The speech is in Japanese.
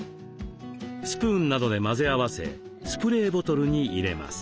スプーンなどで混ぜ合わせスプレーボトルに入れます。